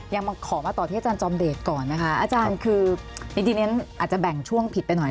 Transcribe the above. มาขอมาต่อที่อาจารย์จอมเดชก่อนนะคะอาจารย์คือจริงอาจจะแบ่งช่วงผิดไปหน่อย